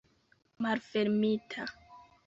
malfermita